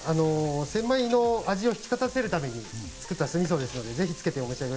センマイの味を引き立たせるために作った酢みそですので。